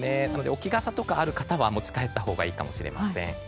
置き傘などがある方は持ち帰ったほうがいいかもしれません。